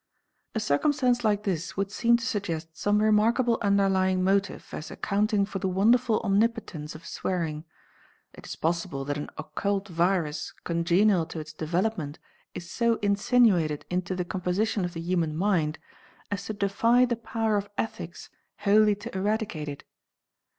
A circumstance like this would seem to suggest some remarkable underlying motive as accounting for the wonderful omnipotence of swearing. It is possible that an occult virus congenial to its development is so insinuated into the composition of the human mind as to defy the power of ethics wholly to eradicate it.